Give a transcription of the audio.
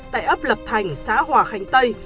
tại ấp lập thành xã hòa khánh tây